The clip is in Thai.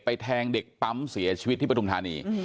แทงเด็กปั๊มเสียชีวิตที่ปฐุมธานี